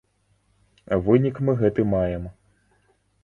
Вынік мы гэты маем.